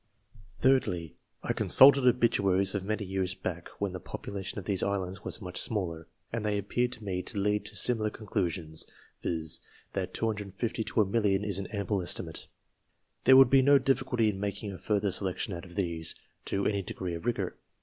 Thirdly, I consulted obituaries of many years back. ACCORDING TO THEIR REPUTATION when the population of these islands was much smaller, and they appeared to me to lead to similar conclusions, viz. that 250 to a million is an ample estimate. There would be no difficulty in making a further selec tion out of these, to any degree of rigour.